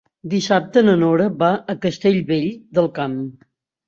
Dissabte na Nora va a Castellvell del Camp.